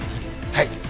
はい。